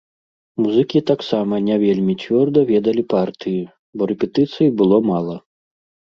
Музыкі таксама не вельмі цвёрда ведалі партыі, бо рэпетыцый было мала.